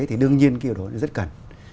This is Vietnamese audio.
thì đương nhiên kêu đổi nó rất cần